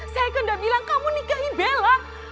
saya kan udah bilang kamu nikahi bella